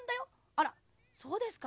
あらそうですか。